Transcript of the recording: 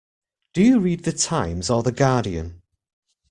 Do you read The Times or The Guardian?